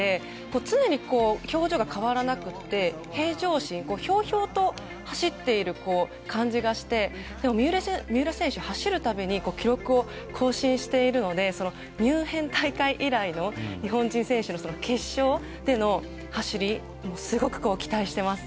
常に表情が変わらなくて平常心ひょうひょうと走っている感じがしてでも、三浦選手、走る度に記録を更新しているのでミュンヘン大会以来の日本人選手の決勝での走りすごく期待しています。